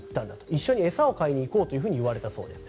一緒に餌を買いにいこうと言われたそうです。